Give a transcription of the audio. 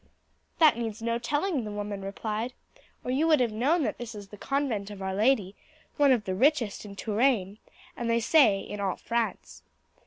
"That needs no telling," the woman replied, "or you would have known that that is the convent of Our Lady, one of the richest in Touraine, and they say in all France.